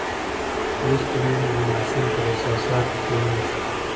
لوستې میندې د ماشوم پر احساساتو پوهېږي.